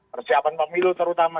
persiapan pemilu terutama